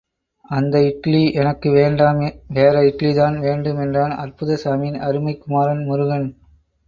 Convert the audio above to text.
அந்த இட்லி எனக்கு வேண்டாம் வேற இட்லிதான் வேண்டும் என்றான் அற்புதசாமியின் அருமைக் குமாரன் முருகன்.